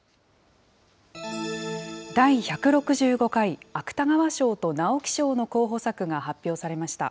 第１６５回芥川賞と直木賞の候補作が発表されました。